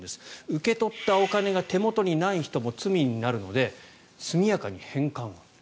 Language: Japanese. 受け取ったお金が手元にない人も罪になるので、速やかに返還。